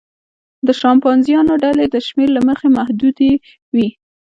د شامپانزیانو ډلې د شمېر له مخې محدودې وي.